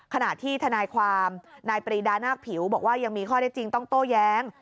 ขณะที่ทนายความนายปรีดานาคผิวบอกว่ายังมีข้อได้จริงต้องโต้แย้ง